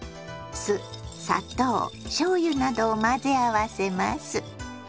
酢砂糖しょうゆなどを混ぜ合わせます。